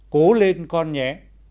cố lên con nhé